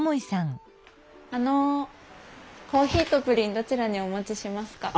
あのコーヒーとプリンどちらにお持ちしますか？